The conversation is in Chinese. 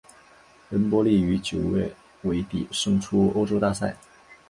恩波利于九月尾底胜出欧洲大赛。